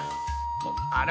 あれ？